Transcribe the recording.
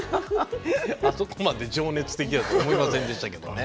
あそこまで情熱的やとは思いませんでしたけどね。